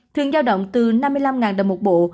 thuyền giao động từ năm mươi năm đồng một bộ